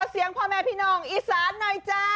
เสียงพ่อแม่พี่น้องอีสานหน่อยจ้า